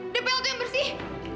depel tuh yang bersih